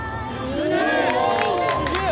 すげえ！